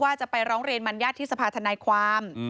จะไปร้องเรียนมัญญาติที่สภาธนายความ